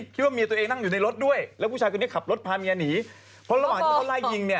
เพราะระหว่างที่เขาไล่ยิงเนี่ย